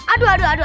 aduh aduh aduh